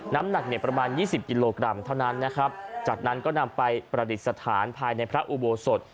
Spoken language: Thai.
น้ำหนักเนี่ยประมาณยี่สิบกิโลกรัมเท่านั้นนะครับจากนั้นก็นำไปประดิษฐานภายในพระอุโบสถ